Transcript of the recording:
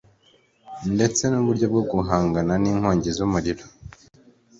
ndetse n´uburyo bwo guhangana n´inkongi z´umuriro